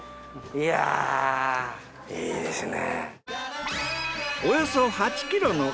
いやいいですね。